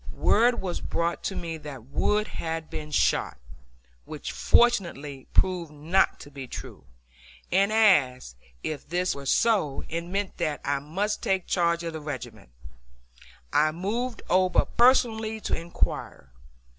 Word was brought to me that Wood had been shot which fortunately proved not to be true and as, if this were so, it meant that I must take charge of the regiment, I moved over personally to inquire.